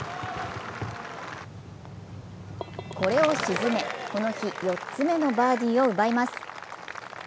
これを沈め、この日４つ目のバーディーを奪います。